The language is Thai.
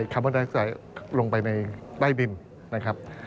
คาร์มเวอร์ไทยสายลงไปในใต้ดินนะครับ